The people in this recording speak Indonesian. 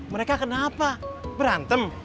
mereka kenapa berantem